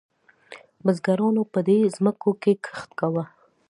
بزګرانو به په دې ځمکو کې کښت کاوه.